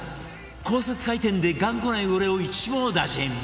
高速回転で頑固な汚れを一網打尽